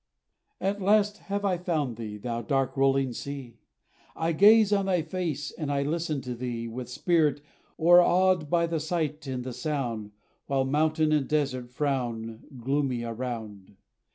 At last have I found thee, thou dark, rolling sea! I gaze on thy face, and I listen to thee, With spirit o'erawed by the sight and the sound, While mountain and desert frown gloomy around.